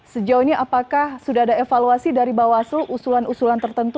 sejauh ini apakah sudah ada evaluasi dari bawaslu usulan usulan tertentu